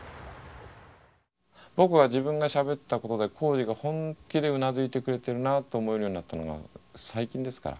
僕は自分がしゃべったことで宏司が本気でうなずいてくれてるなと思えるようになったのが最近ですから。